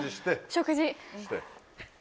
食事。